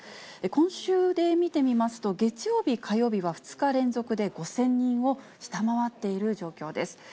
今週で見てみますと、月曜日、火曜日は２日連続で５０００人を下回っている状況です。